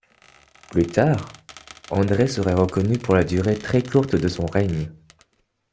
Plus tard, André serait reconnu pour la durée très courte de son règne.